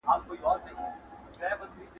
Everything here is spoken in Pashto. غلام تکرار کړه چې زه له خپل خالق څخه حیا کوم.